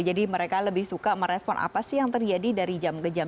jadi mereka lebih suka merespon apa sih yang terjadi dari jam ke jam